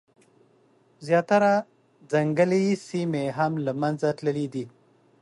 زیاتره ځنګلي سیمي هم له منځه تللي دي.